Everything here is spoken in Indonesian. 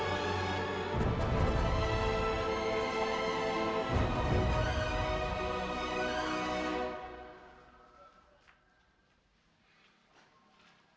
gak ada yang tau